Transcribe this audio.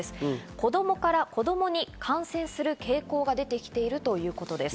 子供から子供に感染する傾向が出てきているということです。